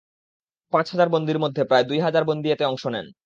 পাঁচ হাজার বন্দীর মধ্যে প্রায় দুই হাজার বন্দী এতে অংশ নেন।